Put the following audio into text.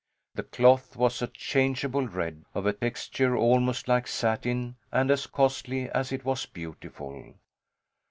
The cloth was a changeable red, of a texture almost like satin and as costly as it was beautiful.